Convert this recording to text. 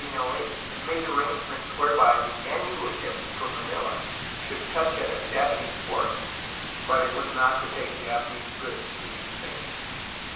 Will Adams |was sent to Manila in 1608, and made arrangements whereby the annual ship from Manila should touch at a Japanese port, but it was not to take Japanese goods to New Spain.